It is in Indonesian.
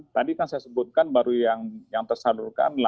tadi kan saya sebutkan baru yang tersalurkan delapan enam